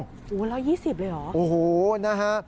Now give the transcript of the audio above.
๑๒๐กิโลเมตรเลยเหรอโอ้โฮนะฮะ